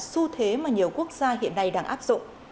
xu thế mà nhiều quốc gia hiện nay đang áp dụng